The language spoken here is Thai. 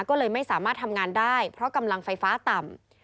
ก็เลยไม่สามารถทำงานได้เพราะกำลังไฟฟ้าต่ำ